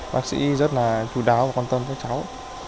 bác sĩ rất là chú đáo và quan tâm cho cháu